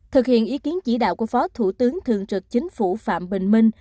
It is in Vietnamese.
thực hiện ý kiến chỉ đạo của phó thủ tướng thường trực chính phủ phạm bình minh